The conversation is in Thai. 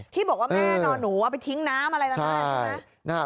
ที่บอกว่าแม่นอนหนูเอาไปทิ้งน้ำใช่ไหม